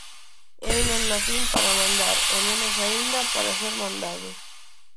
Eu non nacín para mandar e menos aínda para ser mandado